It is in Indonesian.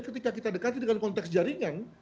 ketika kita dekati dengan konteks jaringan